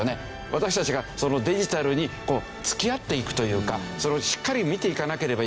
私たちがそのデジタルに付き合っていくというかそれをしっかり見ていかなければいけない。